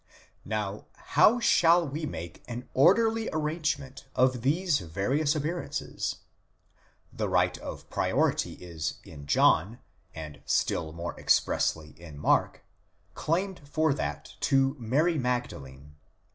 : Now how shall we make an orderly arrangement of these various appear ances? The right of priority is, in John, and still more expressly in Mark, claimed for that to Mary Magdalene.